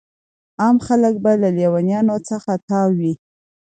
عام خلک به له لیونیانو څخه تاو وو.